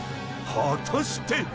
［果たして⁉］